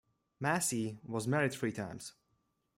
Massey was married three times.